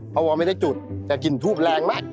เพราะว่าไม่ได้จุดแต่กลิ่นทูบแรงมาก